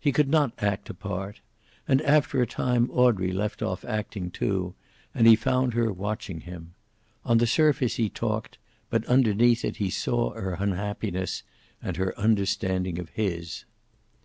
He could not act a part. And after a time Audrey left off acting, too, and he found her watching him. On the surface he talked, but underneath it he saw her unhappiness, and her understanding of his.